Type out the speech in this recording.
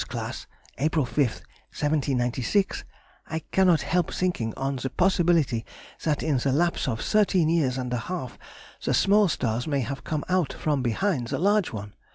Class, April 5th, 1796, I cannot help thinking on the possibility that in the lapse of thirteen years and a half the small stars may have come out from behind the large one.